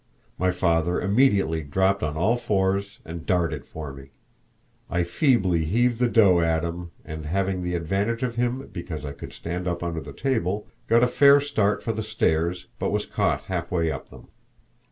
My father immediately dropped on all fours and darted for me. I feebly heaved the dough at him, and, having the advantage of him because I could stand up under the table, got a fair start for the stairs, but was caught halfway up them.